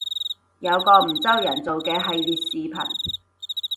有個梧州人做嘅系列視頻